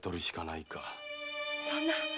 そんな！